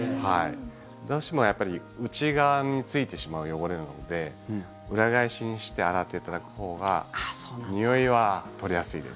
どうしてもやっぱり内側についてしまう汚れなので裏返しにして洗っていただくほうがにおいは取れやすいです。